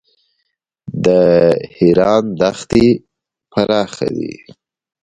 د ایران دښتې پراخې دي.